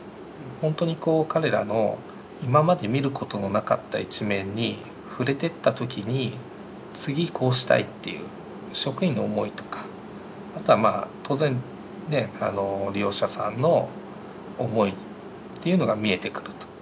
本当にこう彼らの今まで見ることのなかった一面に触れてった時に次こうしたいっていう職員の思いとかあとは当然利用者さんの思いというのが見えてくると。